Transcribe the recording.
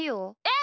え？